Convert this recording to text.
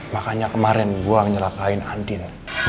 makanya kemarin gue yang nyerahkan andin